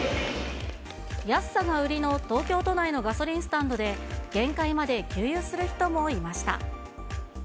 安さが売りの東京都内のガソリンスタンドで、限界まで給油する人もいました。